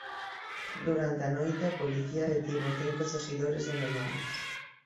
Durante a noite a policía detivo cinco seguidores alemáns.